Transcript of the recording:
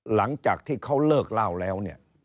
หลังจากที่เขาเลิกเหล้าแล้ว